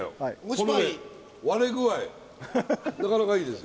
このね割れ具合なかなかいいですよ。